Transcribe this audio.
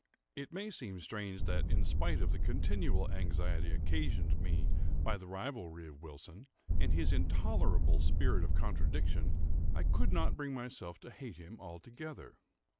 It may seem strange that in spite of the continual anxiety occasioned me by the rivalry of Wilson, and his intolerable spirit of contradiction, I could not bring myself to hate him altogether.